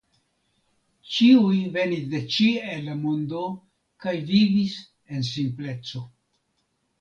Ĉiuj venis de ĉie el la mondo kaj vivis en simpleco.